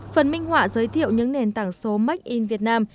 phần minh họa giới thiệu những nền tảng số make in việt nam